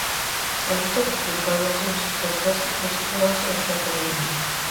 A industria, principalmente o sector téxtil, constitúe a base da súa economía.